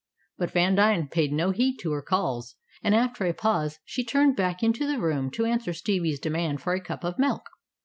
But Vandine paid no heed to her calls, and after a pause she turned back into the room to answer Stevie's demand for a cup of milk.